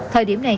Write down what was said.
thời điểm này